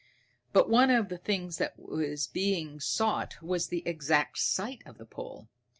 But one of the things that was being sought was the exact site of the pole.